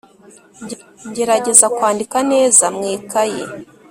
Ngerageza kwandika neza mw’ikayi